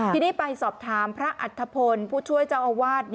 ทีนี้ไปสอบถามพระอัธพลผู้ช่วยเจ้าอาวาส